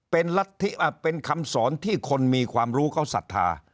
เป็นลักษณ์ที่เป็นคำสอนที่คนมีความรู้เขาศรัทธา